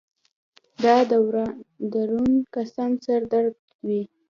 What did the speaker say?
دا درون قسم سر درد وي